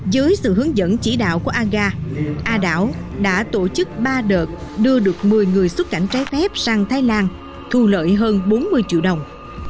với sự hướng dẫn chỉ đạo của anga a đảo đã tổ chức ba đợt đưa được một mươi người xuất cảnh trái phép sang thái lan thu lợi hơn bốn mươi triệu đồng